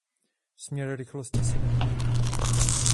Směr rychlosti se nemění.